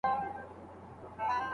ټوله ژوي یو د بل په ځان بلا وه